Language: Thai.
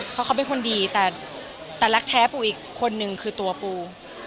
เพราะเขาเป็นคนดีแต่รักแท้ปูอีกคนนึงคือตัวปู